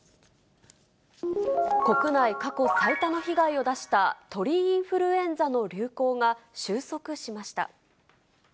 国内過去最多の被害を出した鳥インフルエンザの流行が収束しました。